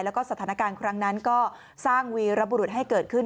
แล้วก็สถานการณ์ครั้งนั้นก็สร้างวีรบุรุษให้เกิดขึ้น